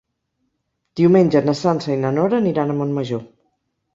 Diumenge na Sança i na Nora aniran a Montmajor.